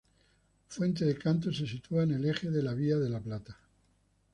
Fuente de Cantos se sitúa en el eje de la Vía de la Plata.